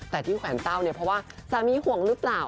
แต่ที่แขวนเต้านี่ผู้ว่าสามีห่วงรึเปล่า